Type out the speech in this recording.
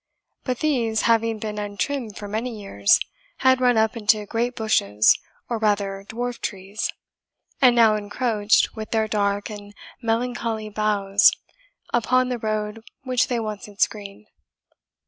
But these, having been untrimmed for many years, had run up into great bushes, or rather dwarf trees, and now encroached, with their dark and melancholy boughs, upon the road which they once had screened.